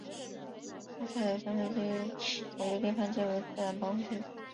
特塞尔三分之一左右地方皆为自然保护区。